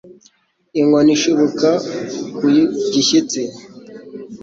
inkoni ishibuka ku gishyitsi,